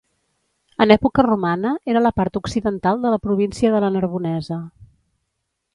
En època romana, era la part occidental de la província de la Narbonesa.